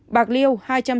bạc liêu hai trăm sáu mươi năm